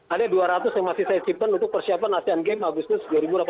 ada dua ratus yang masih saya ciptakan untuk persiapan asean games agustus dua ribu delapan belas